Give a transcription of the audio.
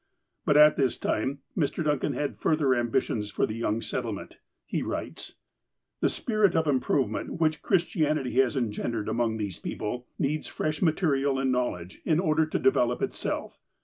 But at this time Mr. Duncan had further ambitions for the young settlement. He writes :" The spirit of improvement, Avhich Christianity has engen dered among these people, needs fresh material and knowledge, in order to develop itself.